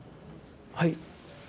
はい？